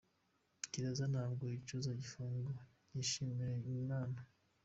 "Gereza ntabwo nyicuza; Igifungo ngishimira Imana".